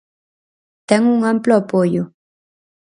Ten un amplo apoio.